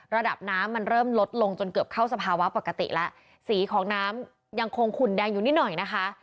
ระดับน้ำมันเริ่มลดลงจนเกือบเข้าสภาวะปกติแล้วสีของน้ำยังคงขุนแดงอยู่นิดหน่อยนะคะ